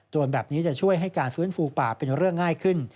แบบนี้จะช่วยให้การฟื้นฟูป่าเป็นเรื่องง่ายขึ้น